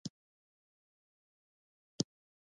د تېلو اته څراغونه په کې سوځي.